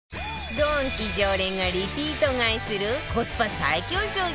ドンキ常連がリピート買いするコスパ最強商品